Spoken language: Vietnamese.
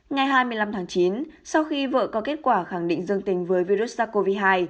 ngày hai mươi năm tháng chín sau khi vợ có kết quả khẳng định dương tình với virus sars cov hai